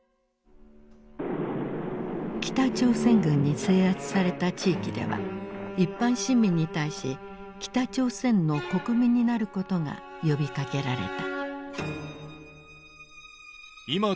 北朝鮮軍に制圧された地域では一般市民に対し北朝鮮の国民になることが呼びかけられた。